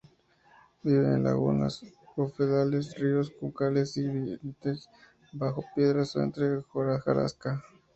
Vive en lagunas, bofedales, ríos, juncales y vertientes, bajo piedras o entre la hojarasca.